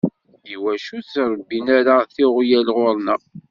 Iwacu ur ttṛebbin ara tiɣyal ɣur-neɣ?